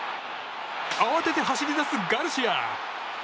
慌てて走り出すガルシア。